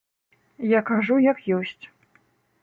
Я кажу, як ёсць.